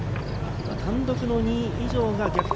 単独の２位以上が逆転